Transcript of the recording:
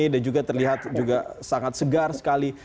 dan juga terlihat juga sangat segar sekali